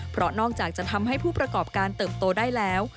เพราะนอกจากจะทำให้ผู้ประกอบการเติบโตได้แล้ว